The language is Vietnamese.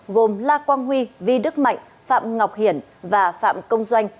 gồm la quang huy vi đức mạnh phạm ngọc hiển và phạm công doanh